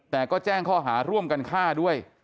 แต่ก็แจ้งข้อหาร่วมกันฆ่าด้วย